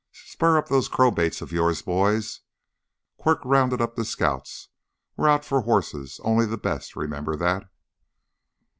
"Spur up those crowbaits of yours, boys!" Quirk rounded up the scouts. "We're out for horses only the best, remember that!"